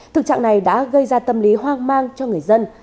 thực trạng này đã gây ra tâm lý hoang mang cho người dân